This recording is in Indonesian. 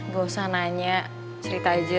gak usah nanya cerita aja